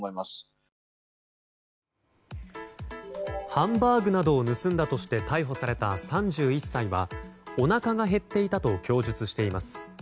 ハンバーグなどを盗んだとして逮捕された３１歳はおなかが減っていたと供述しています。